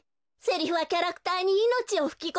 セリフはキャラクターにいのちをふきこむのよ。